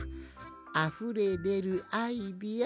あふれでるアイデア